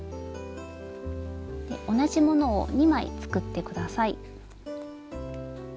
同じものを２枚作って下さい。